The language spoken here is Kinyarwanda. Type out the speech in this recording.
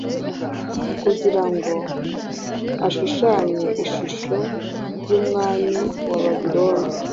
kugira ngo ashushanye ishusho yumwami wa Babiloni